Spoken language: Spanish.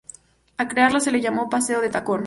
Al crearla se le llamó Paseo de Tacón.